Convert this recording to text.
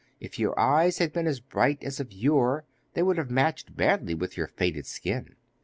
If your eyes had been as bright as of yore they would have matched badly with your faded skin.